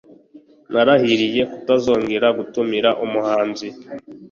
narahiriye kutazongera gutumira umuhanzi